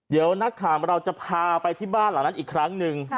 เดี๋ยวนักข่าวเราจะพาไปที่บ้านหลังนั้นอีกครั้งหนึ่ง